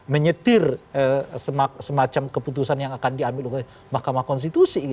menyetir semacam keputusan yang akan diambil oleh mahkamah konstitusi